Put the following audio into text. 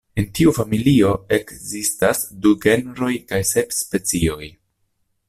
En tiu familio ekzistas du genroj kaj sep specioj.